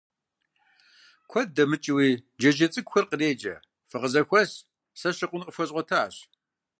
Куэд дэмыкӀыуи джэджьей цӀыкӀухэр къреджэ: фыкъызэхуэс, сэ щыкъун къыфхуэзгъуэтащ!